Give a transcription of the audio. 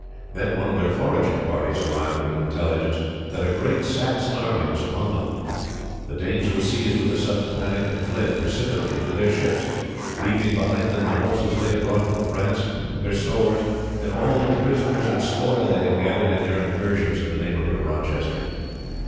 Then one of their foraging parties arrived with the intelligence that a great Saxon army was upon them. The Danes were seized with a sudden panic, and fled precipitately to their ships, leaving behind them the horses they had brought from France, their stores, and all the prisoners and spoil they had gathered in their incursions in the neighbourhood of Rochester.